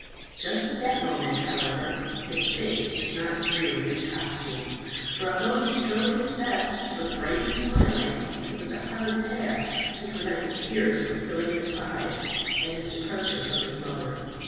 Just at that moment, however, his face did not agree with his costume, for although he strove his best to look bright and smiling, it was a hard task to prevent the tears from filling his eyes at his departure from his mother.